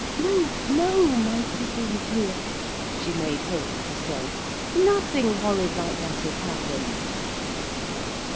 'No, no, my Pippin, dear,' she made haste to say. 'Nothing horrid like that has happened.'